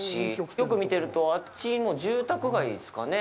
よく見てると、あっちも住宅街ですかね。